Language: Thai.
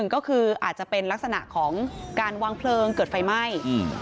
ก็คืออาจจะเป็นลักษณะของการวางเพลิงเกิดไฟไหม้